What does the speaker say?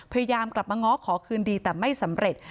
พยายามกลับมาง้อขอคืนดีแต่ไม่สำเร็จ